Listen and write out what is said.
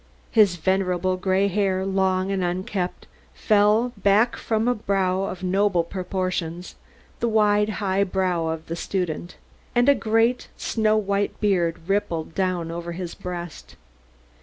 His venerable gray hair, long and unkempt, fell back from a brow of noble proportions, the wide, high brow of the student; and a great, snow white beard rippled down over his breast.